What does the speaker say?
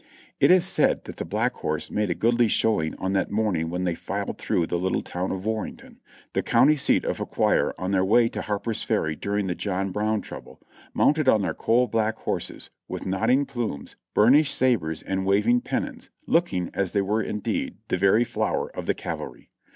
It is said that the Black Horse made a goodly showing on that morning when they filed through the little town of Warrenton, the county seat of Fauquier, on their way to Harper's Ferry during the John Brown trouble, mounted on their coal black horses, with nodding plumes, burnished sabres and waving pennons, looking, as they were indeed, the very flower of the cavalry.